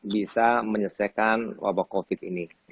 bisa menyelesaikan wabah covid ini